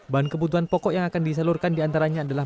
bahan kebutuhan pokok yang akan disalurkan diantaranya adalah